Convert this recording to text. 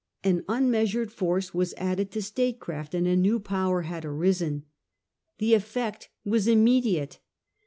An unmeasured force was added to statecraft, and a new power had arisen. The effect was immediate.